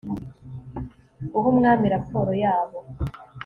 guha umwami raporo yabo